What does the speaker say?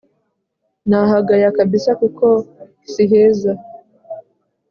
nahagaya kabisa kuko siheza